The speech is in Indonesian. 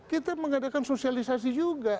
kita mengadakan sosialisasi juga